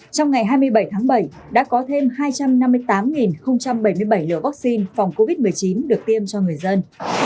trong ngày hai mươi bảy tháng bảy đã có thêm hai trăm năm mươi tám bảy mươi bảy lửa vaccine phòng covid một mươi chín được tiêm cho người dân